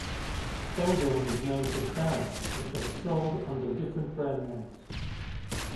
Belgaum is known for saris, which are sold under different brand names.